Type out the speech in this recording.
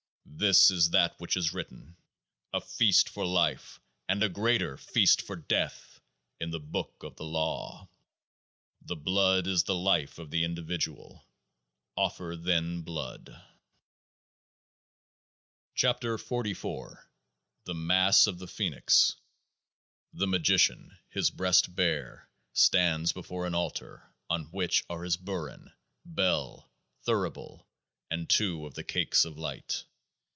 This is that which is written :" A feast for Life, and a greater feast for Death !" in THE BOOK OF THE LAW. The blood is the life of the individual : offer then blood ! 54 KEOAAH MA THE MASS OF THE PHOENIX The Magician, his breast bare, stands before an altar on which are his Burin, Bell, Thurible, and two of the Cakes of Light.